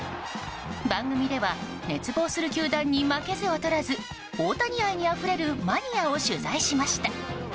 番組では熱望する球団に負けず劣らず大谷愛にあふれるマニアを取材しました。